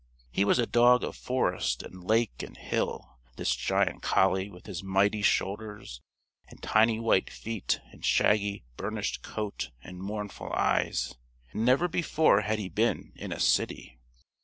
He was a dog of forest and lake and hill, this giant collie with his mighty shoulders and tiny white feet and shaggy burnished coat and mournful eyes. Never before had he been in a city.